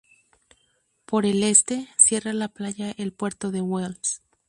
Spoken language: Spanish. Por el este, cierra la playa el puerto de Wells.